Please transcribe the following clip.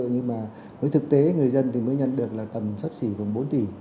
nhưng mà với thực tế người dân thì mới nhận được là tầm sắp xỉ gồm bốn tỷ